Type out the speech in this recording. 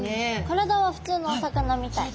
体は普通のお魚みたい。